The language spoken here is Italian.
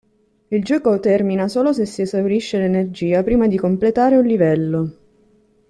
Il gioco termina solo se si esaurisce l'energia prima di completare un livello.